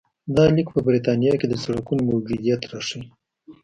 دا لیک په برېټانیا کې د سړکونو موجودیت راښيي